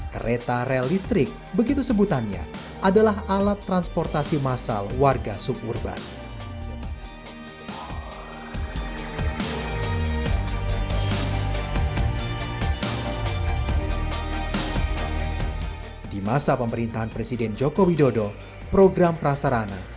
kereta api yang terdekat di setiap lokasi yang sama seperti wilayah ini